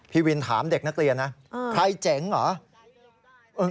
พี่วินถามเด็กนักเรียนนะใครเจ๋งเหรอ